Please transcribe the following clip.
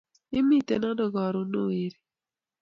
Imiten ano karun ooh weri